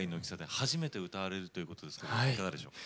初めて歌われるということですがいかがでしょうか。